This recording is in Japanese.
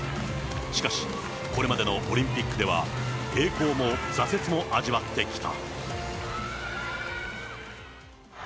しかし、これまでのオリンピックでは、栄光も挫折も味わってきた。